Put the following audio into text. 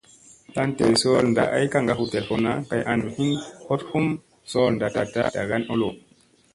Tlan ɗel sool naɗta ay kaŋga hu telfunna kay an hin hoɗ hum sool naɗta ɗagan olo.